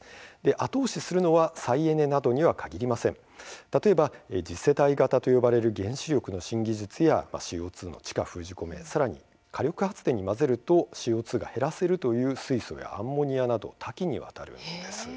後押しするというのは再エネなどに限らず例えば次世代型と呼ばれる原子力の新技術やＣＯ２の地下封じ込めさらに火力発電に混ぜると二酸化炭素を減らせるというＣＯ２を減らせるという水素やアンモニアなど多岐にわたります。